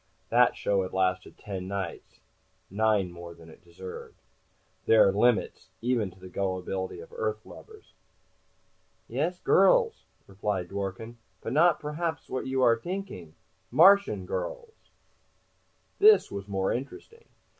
That show had lasted ten nights nine more than it deserved to. There are limits, even to the gullibility of Earth lubbers. "Yes, girls," replied Dworken. "But not what you are perhaps t'inking. Martian girls." This was more interesting.